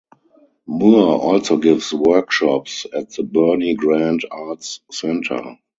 Moore also gives workshops at the Bernie Grant Arts Centre.